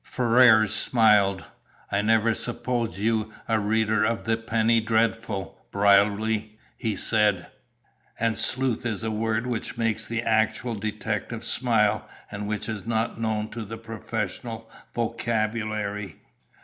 Ferrars smiled. "I never supposed you a reader of the penny dreadful, Brierly," he said, "and 'sleuth' is a word which makes the actual detective smile, and which is not known to the professional vocabulary.